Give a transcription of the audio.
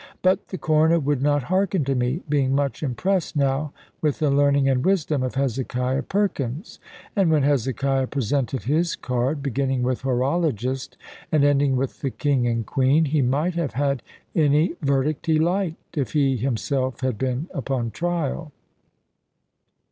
But the Coroner would not hearken to me, being much impressed now with the learning and wisdom of Hezekiah Perkins. And when Hezekiah presented his card, beginning with "horologist," and ending with the "king and queen," he might have had any verdict he liked, if he himself had been upon trial.